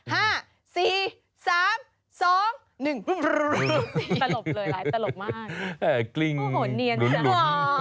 ห้าสี่สามสองหนึ่งตลกเลยไลฟ์ตลกมากแกล้งโอ้โหเนียนหลุนหลุน